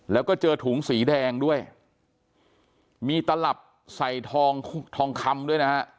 แล้วก็เจอถุงสีแดงด้วยมีตลับใส่ทองทองคำด้วยนะฮะ